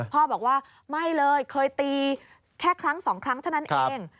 พ่อบอกว่าไม่เลยเคยตีแค่ครั้งสองครั้งเท่านั้นเอง